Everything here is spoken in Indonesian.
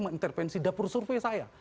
mengintervensi dapur surpe saya